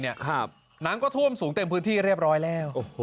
น้ำก็ท่วมสูงเต็มพื้นที่เรียบร้อยแล้ว